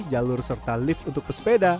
jalur serta lift untuk pesepeda